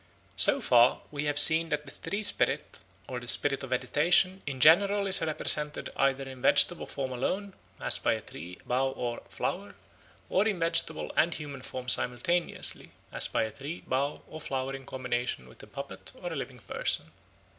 So far we have seen that the tree spirit or the spirit of vegetation in general is represented either in vegetable form alone, as by a tree, bough, or flower; or in vegetable and human form simultaneously, as by a tree, bough, or flower in combination with a puppet or a living person.